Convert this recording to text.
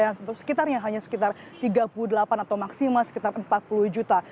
dan sekitarnya hanya sekitar tiga puluh delapan atau maksima sekitar empat puluh juta